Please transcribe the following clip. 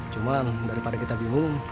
cuman daripada kita bingung